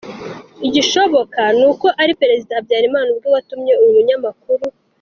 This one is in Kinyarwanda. Igishoboka ni uko ari Perezida Habyarimana ubwe watumye uyu munyamakuru.